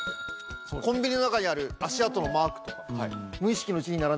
コンビニの中にある足跡のマークとか。